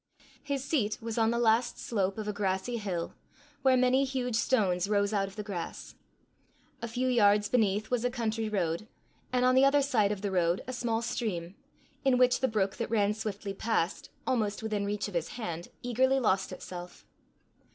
His seat was on the last slope of a grassy hill, where many huge stones rose out of the grass. A few yards beneath was a country road, and on the other side of the road a small stream, in which the brook that ran swiftly past, almost within reach of his hand, eagerly lost itself.